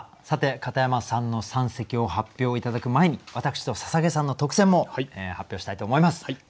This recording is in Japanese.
さて片山さんの三席を発表頂く前に私と捧さんの特選も発表したいと思います。